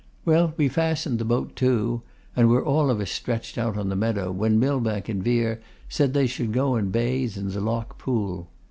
Well, we fastened the boat to, and were all of us stretched out on the meadow, when Millbank and Vere said they should go and bathe in the Lock Pool.